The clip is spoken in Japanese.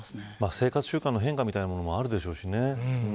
生活習慣の変化みたいなものもあるでしょうしね。